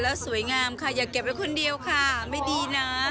แล้วสวยงามค่ะอย่าเก็บไว้คนเดียวค่ะไม่ดีนะ